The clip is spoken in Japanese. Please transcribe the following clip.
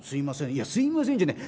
「いやすいませんじゃない」